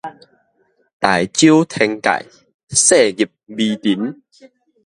大周天界，細入微塵